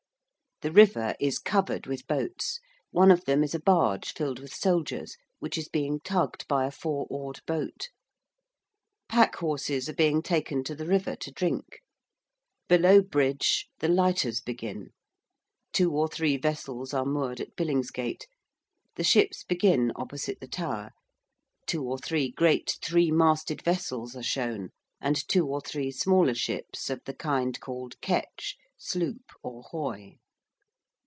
The river is covered with boats: one of them is a barge filled with soldiers, which is being tugged by a four oared boat: packhorses are being taken to the river to drink: below bridge the lighters begin: two or three vessels are moored at Billingsgate: the ships begin opposite the Tower: two or three great three masted vessels are shown: and two or three smaller ships of the kind called ketch, sloop, or hoy.